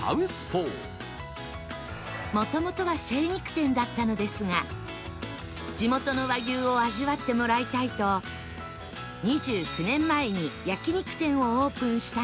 もともとは精肉店だったのですが地元の和牛を味わってもらいたいと２９年前に焼肉店をオープンしたんだそう